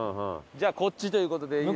じゃあこっちという事で。